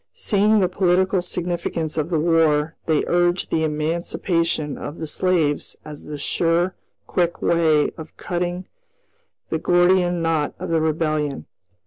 Seeing the political significance of the war, they urged the emancipation of the slaves as the sure, quick way of cutting the Gordian knot of the Rebellion.